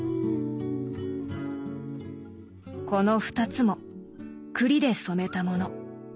この２つも栗で染めたもの。